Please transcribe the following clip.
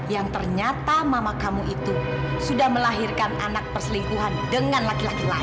yang ternyata mama kamu itu sudah melahirkan anak perselingkuhan dengan laki laki lain